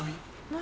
何？